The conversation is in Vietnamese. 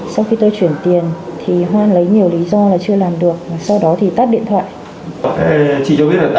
sau khi tôi chuyển tiền thì hoan lấy nhiều lý do là chưa làm được sau đó thì tắt điện thoại